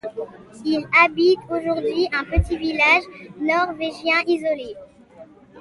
Il habite aujourd'hui un petit village norvégien isolé.